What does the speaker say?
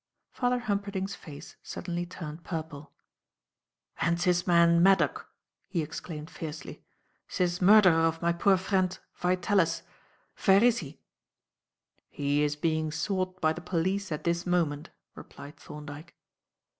Father Humperdinck's face suddenly turned purple. "And zis man Maddock," he exclaimed fiercely, "zis murderer of my poor friendt Vitalis, vere is he?" "He is being sought by the police at this moment," replied Thorndyke.